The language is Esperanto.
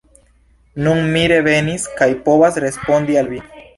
Nun mi revenis kaj povas respondi al vi.